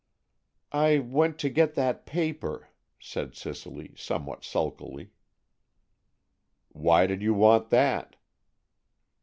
"I went to get that paper," said Cicely, somewhat sulkily. "Why did you want that?"